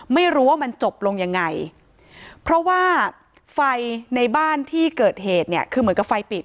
ไม่รู้ว่ามันจบลงยังไงเพราะว่าไฟในบ้านที่เกิดเหตุเนี่ยคือเหมือนกับไฟปิด